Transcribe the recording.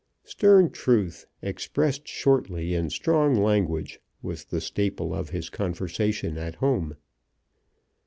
Stern truth, expressed shortly in strong language, was the staple of his conversation at home.